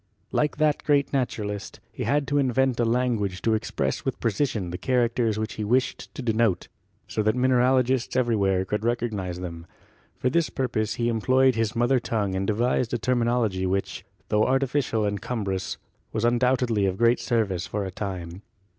Like that great naturalist, he had to invent a language to express with precision the characters which he wished to denote, so that mineralogists everywhere could recognise them. For this purpose he employed his mother tongue and devised a terminology which, tho artificial and cum brous, was undoubtedly of great service for a time.